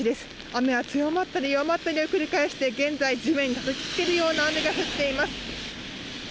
雨は強まったり弱まったりを繰り返して、現在、地面をたたきつけるような雨が降っています。